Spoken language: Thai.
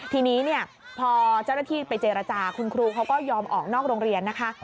ทีนี้เนี่ยพอเจ้าหน้าที่ไปเจรจาคุณครูเขาก็ยอมออกนอกโรงเรียนนะคะ